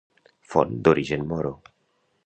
Font d'origen moro.